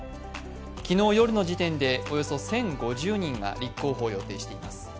昨日夜の時点でおよそ１０５０人が立候補を予定しています。